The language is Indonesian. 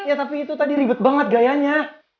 ya tapi itu tadi ribet banget gayanya